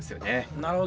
なるほど。